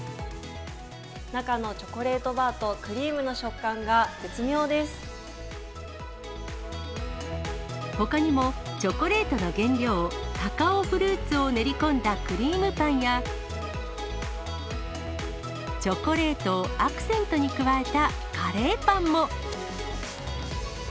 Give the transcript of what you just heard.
中のチョコレートバーとクリほかにも、チョコレートの原料、カカオフルーツを練り込んだクリームパンや、チョコレートをアクセントに加えたカレーパンも。